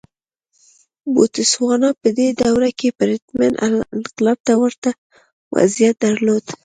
بوتسوانا په دې دوره کې پرتمین انقلاب ته ورته وضعیت درلود.